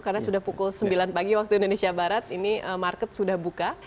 karena sudah pukul sembilan pagi waktu indonesia barat ini market sudah buka